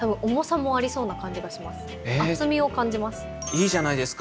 いいじゃないですか。